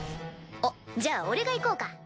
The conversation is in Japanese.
あっじゃあ俺が行こうか？